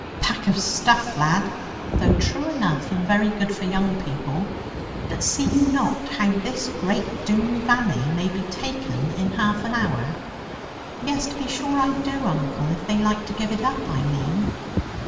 'Pack of stuff lad. Though true enough, and very good for young people. But see you not how this great Doone valley may be taken in half an hour?' 'Yes, to be sure I do, uncle; if they like to give it up, I mean.'